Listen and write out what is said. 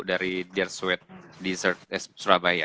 dari dersuet di surabaya